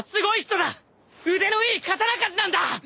腕のいい刀鍛冶なんだ！